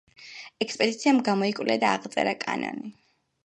ექსპედიციამ გამოიკვლია და აღწერა კანიონი.